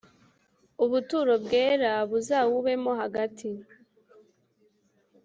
ubuturo bwera buzawubemo hagati